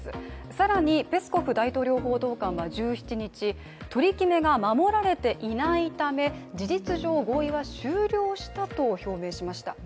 更にペスコフ大統領報道官は１７日、取り決めが守られていないため事実上合意は終了したと表明しました。